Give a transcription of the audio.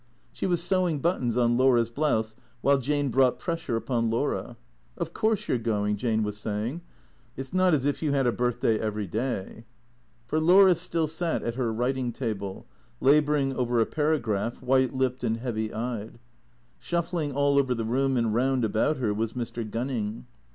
She was sewing buttons on Laura's blouse while Jane brought pressure upon Laura. " Of course you 're going," Jane was saying. " It 's not as if you had a birthday every day." For Laura still sat at her writing table, labouring over a para graph, white lipped and heavy eyed. Shuffling all over the room and round about her was Mr. Gunning.